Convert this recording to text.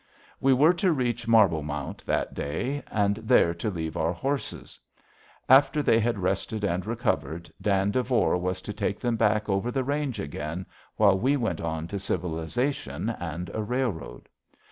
We were to reach Marblemont that day and there to leave our horses. After they had rested and recovered, Dan Devore was to take them back over the range again, while we went on to civilization and a railroad.